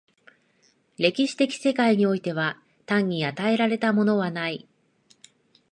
歴史的世界においては単に与えられたものはない。